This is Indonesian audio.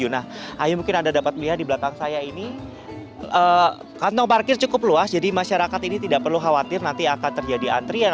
nah ayo mungkin anda dapat melihat di belakang saya ini kantong parkir cukup luas jadi masyarakat ini tidak perlu khawatir nanti akan terjadi antrian